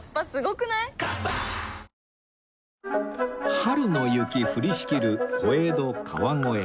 春の雪降りしきる小江戸川越